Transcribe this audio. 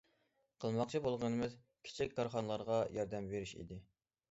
قىلماقچى بولغىنىمىز كىچىك كارخانىلارغا ياردەم بېرىش ئىدى.